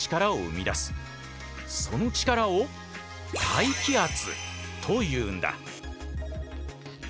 その力を大気圧というんだ。